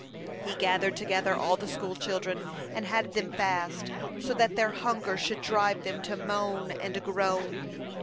He gathered together all the school children, and had them fast, so that their hunger should drive them to moan and groan.